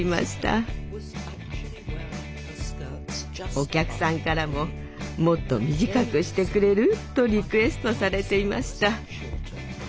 お客さんからも「もっと短くしてくれる？」とリクエストされていました。